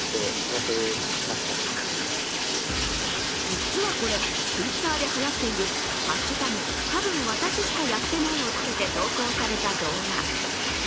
実はこれ、Ｔｗｉｔｔｅｒではやっている「＃多分私しかやってない」をつけて投稿された動画。